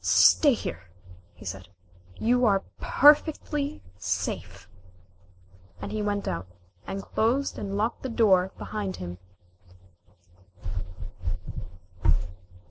"Stay here," he said. "You are perfectly safe," and he went out, and closed and locked the door behind him.